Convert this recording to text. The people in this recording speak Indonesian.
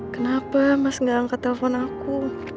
kenapa mas gak angkat telfon aku